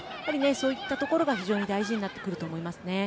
そういったところが非常に大事になってくると思います。